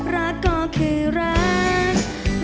รักก็คือรัก